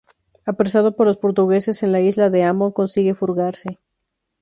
Apresado por los portugueses en la Isla de Ambon consigue fugarse.